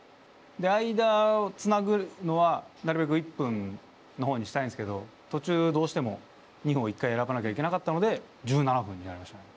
間をつなぐのはなるべく１分の方にしたいんすけど途中どうしても２分を１回選ばなきゃいけなかったので１７分になりましたね。